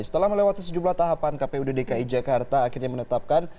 setelah melewati sejumlah tahapan kpud dki jakarta akhirnya menetapkan